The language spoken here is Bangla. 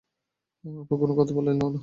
অপু কোনো কথা বলিল না।